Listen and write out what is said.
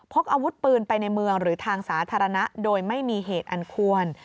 พกอาวุธปืนไปในเมืองหรือทางสาธารณะโดยไม่มีเหตุอันควร